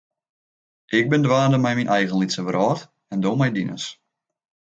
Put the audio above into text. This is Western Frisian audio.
Ik bin dwaande mei myn eigen lytse wrâld en do mei dines.